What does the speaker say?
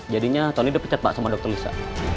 jadinya tony dipecat pak sama dokter lisa